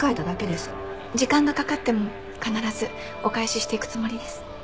時間がかかっても必ずお返ししていくつもりです。